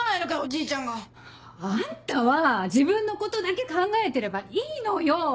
じいちゃんが。あんたは自分のことだけ考えてればいいのよ！